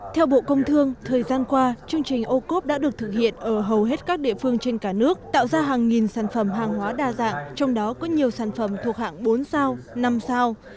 theo bộ công thương thời gian qua chương trình ô cốp đã được thực hiện ở hầu hết các địa phương trên cả nước tạo ra hàng nghìn sản phẩm hàng hóa đa dạng trong đó có nhiều sản phẩm thuộc hạng bốn sao năm sao